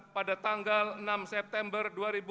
pada tanggal enam september dua ribu tujuh belas